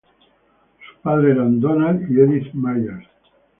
Sus padres eran Donald y Edith Myers.